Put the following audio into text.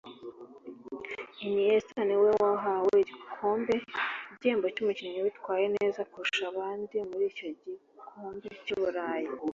Iniesta ni nawe wahawe igihembo cy’umukinnyi witwaye neza kurusha abandi muri icyo gikombe cy’uburayi